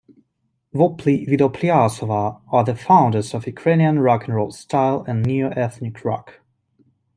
Vopli Vidopliasova are the founders of Ukrainian rock-n-roll style and neo-ethnic rock.